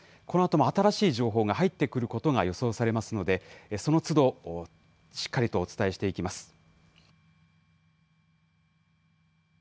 このあとも新しい情報が入ってくることが予想されますので、そのつど、しっかりとお伝えしていきます。